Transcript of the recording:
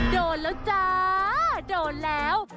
โดนแล้วจ้าโดนแล้ว